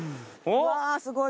うわっすごい！